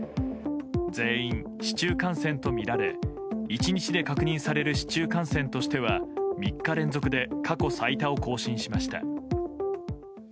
全員、市中感染とみられ１日で確認される市中感染としては３日連続で過去最多を更新しました。